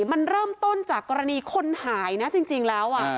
มันเริ่มต้นจากกรณีคนหายนะจริงแล้ว